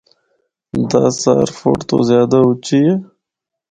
دس ہزار فٹ تو زیادہ اُچی ہے۔